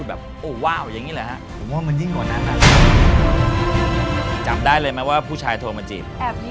สิ่งแรกที่ดาการดาแล้วก็แบบแหว